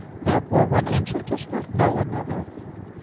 Therefore one angel does not know another.